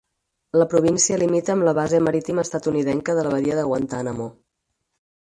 La província limita amb la base marítima estatunidenca de la Badia de Guantánamo.